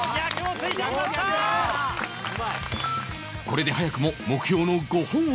これで早くも目標の５本を超え